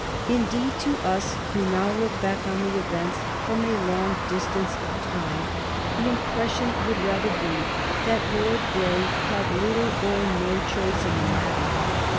Indeed, to us, who now look back on the events from a long distance of time, the impression would rather be that Lord Grey had little or no choice in the matter.